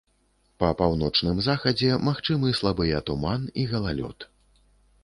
Па паўночным захадзе магчымы слабыя туман і галалёд.